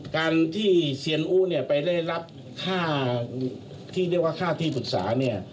การที่เซียนอู้เนี่ยไปได้รับค่าที่เรียกว่าค่าที่ปรึกษาเนี่ย